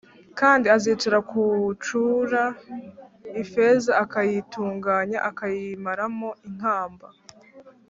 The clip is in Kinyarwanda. Kandi azicara nk’ucura ifeza akayitunganya akayimaramo inkamba